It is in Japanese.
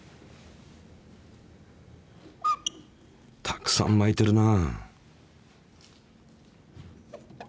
たくさん巻いてるな。